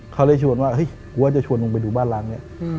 เขาเลยฉวนว่ากูว่าจะชวนมึงไปดูบ้านล้างนี่